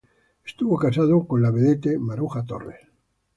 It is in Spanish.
Estuvo casado con la vedette Maruja Tomás.